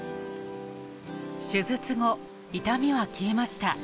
手術後痛みは消えました。